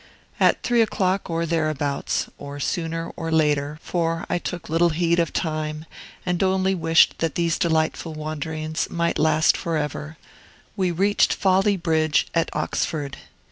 At three o'clock or thereabouts (or sooner or later, for I took little heed of time, and only wished that these delightful wanderings might last forever) we reached Folly Bridge, at Oxford.